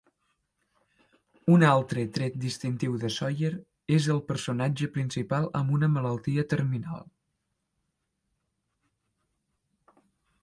Un altre tret distintiu de Sawyer és el personatge principal amb una malaltia terminal.